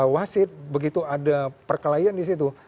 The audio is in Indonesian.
wasit begitu ada perkelahian di situ